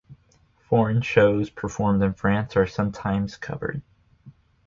Foreign shows performed in France are sometimes covered.